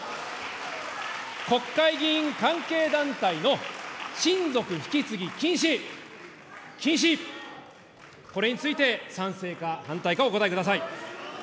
国会議員関係団体の親族引き継ぎ禁止、禁止、これについて賛成か反対かをお答えください。